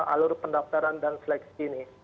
alur pendaftaran dan seleksi ini